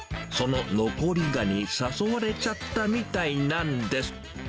その残り香に誘われちゃったみたいなんです。